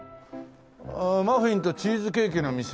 「マフィンとチーズケーキの店」